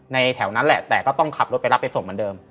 แถวนั้นแหละแต่ก็ต้องขับรถไปรับไปส่งเหมือนเดิม